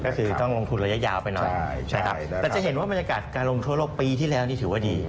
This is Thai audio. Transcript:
ก็คือต้องลงทุนระยะยาวไปหน่อยใช่ครับแต่จะเห็นว่าบรรยากาศการลงทั่วโลกปีที่แล้วนี่ถือว่าดี